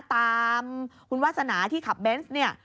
ตามคุณวาสนาที่ขับเบนส์เนี่ย